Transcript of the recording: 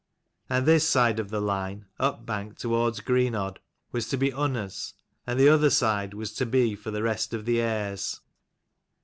And this side of the line, upbank towards Greenodd, was to be Unna's, and the other side was to be for the rest of the heirs.